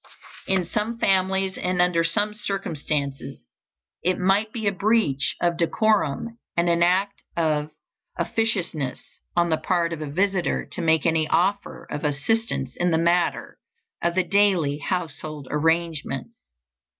In some families and under some circumstances it might be a breach of decorum and an act of officiousness on the part of a visitor to make any offer of assistance in the matter of the daily household arrangements.